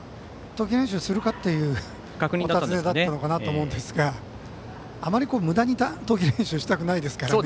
投球練習するかというお尋ねだったのかなと思うんですがあまりむだに投球練習をしたくないですからね。